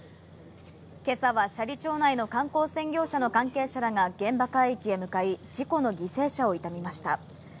今朝は斜里町内の観光船業者の関係者らが現場海域へ向かい、事故の犠牲者を悼みました。